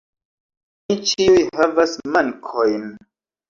Ni ĉiuj havas mankojn.